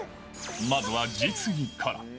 まずは実技から。